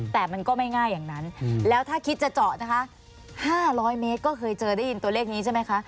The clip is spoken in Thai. แต่มันก็ไม่ง่ายอย่างนั้นแล้วถ้าคิดจะเจาะนะคะ๕๐๐เมตรก็เคยเจอได้ยินตัวเลขนี้ใช่ไหมคะ